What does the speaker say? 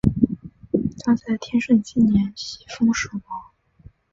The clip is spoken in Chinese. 他在天顺七年袭封蜀王。